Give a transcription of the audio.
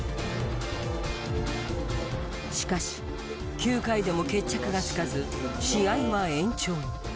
しかし９回でも決着がつかず試合は延長に。